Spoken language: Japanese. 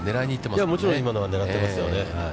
もちろん、今のは狙ってますよね。